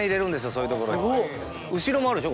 そういうところに後ろもあるでしょ